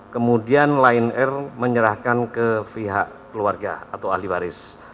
kemudian lion air menyerahkan ke pihak keluarga atau ahli waris